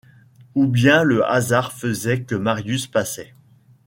Ou bien le hasard faisait que Marius passait